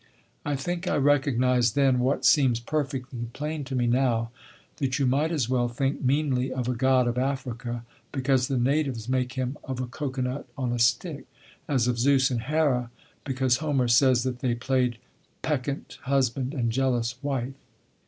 I think I recognised then, what seems perfectly plain to me now, that you might as well think meanly of a God of Africa because the natives make him of a cocoanut on a stick, as of Zeus and Hera because Homer says that they played peccant husband and jealous wife.